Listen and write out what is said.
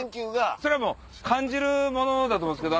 それは感じるものだと思うんですけど。